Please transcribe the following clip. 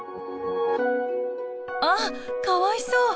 あかわいそう！